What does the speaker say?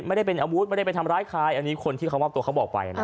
ไม่ได้เป็นอมูลไม่ได้เป็นทำร้ายคลายอันนี้คนที่เขาว่าตัวเขาบอกไปนะครับ